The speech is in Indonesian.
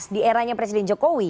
di eranya presiden jokowi